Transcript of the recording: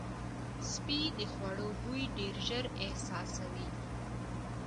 سپي د خوړو بوی ډېر ژر احساسوي.